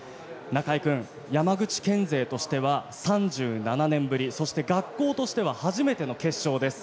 仲井君、山口県勢としては３７年ぶり、学校としては初めての決勝です。